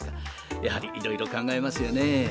やはりいろいろ考えますよね。